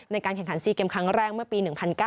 ในการแข่งขัน๔เกมครั้งแรกเมื่อปี๑๙